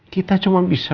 kita cuma bisa bersiap